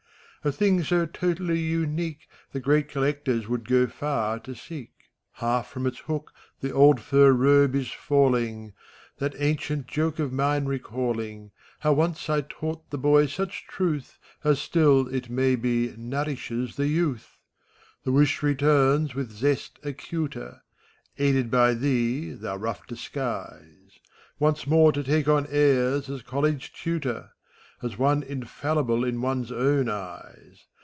A thing so totally unique The great collectors would go far to seek. Half from its hook the old fur robe is falling. That ancient joke of mine recalling. How once I taught the boy such truth As still, it may be, nourishes the youth. The wish returns, with zest acuter. Aided by thee, thou rough disguise. Once more to take on airs as college tutor. As one infallible in one's own eyes.